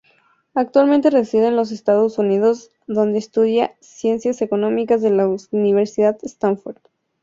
Actualmente reside en los Estados Unidos donde estudia Ciencias Económicas en la Universidad Stanford.